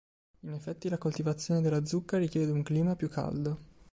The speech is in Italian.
In effetti la coltivazione della zucca richiede un clima più caldo.